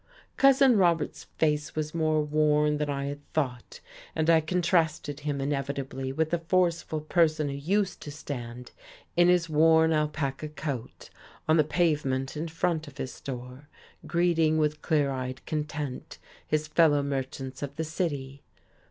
Cousin Robert's face was more worn than I had thought, and I contrasted him inevitably with the forceful person who used to stand, in his worn alpaca coat, on the pavement in front of his store, greeting with clear eyed content his fellow merchants of the city.